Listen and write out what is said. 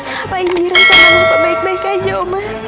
apa indira sama nafa baik baik aja uma